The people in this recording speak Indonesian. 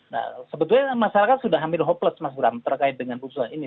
nah sebetulnya masyarakat sudah hampir hopeless mas bram terkait dengan putusan ini